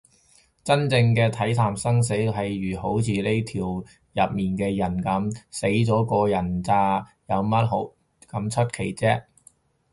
真正嘅睇淡生死，譬如好似呢條片入面嘅人噉，死咗個人嗟，有乜咁出奇啫